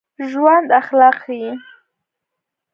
ژوندي اخلاق ښيي